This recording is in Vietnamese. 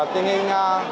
thế nhưng mà